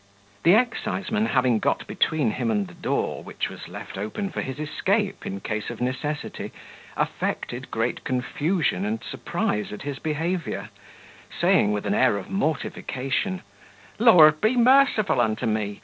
The exciseman having got between him and the door, which was left open for his escape, in case of necessity, affected great confusion and surprise at his behaviour, saying, with an air of mortification, "Lord be merciful unto me!